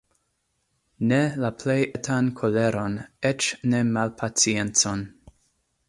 Ne la plej etan koleron, eĉ ne malpaciencon.